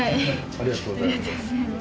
ありがとうございます。